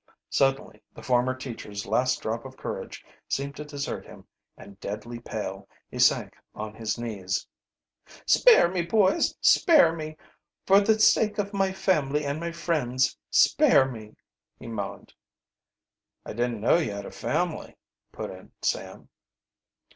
Suddenly the former teacher's last drop of courage seemed to desert him and, deadly pale, he sank on his knees. "Spare me, boys, spare me! For the sake of my family and my friends, spare me!" he moaned. "I didn't know you had a family," put in Sam.